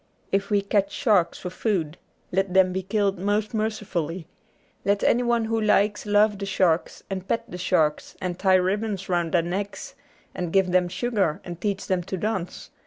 If we catch sharks for food, let them be killed most mercifully ; let anyone who likes love the sharks, and pet the sharks, and tie ribbons round their necks and give them sugar and teach them to dance.